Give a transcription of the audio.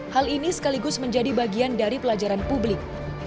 hal ini sekaligus menjadi bagian dari pelajaran publik